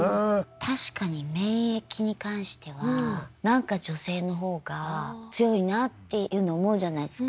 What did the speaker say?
確かに免疫に関しては何か女性の方が強いなっていうの思うじゃないですか。